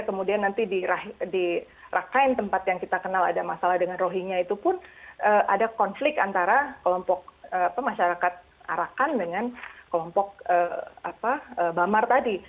kemudian nanti di rakhine tempat yang kita kenal ada masalah dengan rohingya itu pun ada konflik antara kelompok pemasyarakat arakan dengan kelompok bamar tadi